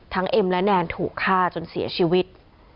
เอ็มและแนนถูกฆ่าจนเสียชีวิต